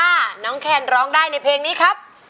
ถ้าน้องแคนร้องได้ในเพลงนี้ครับ